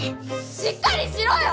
しっかりしろよ！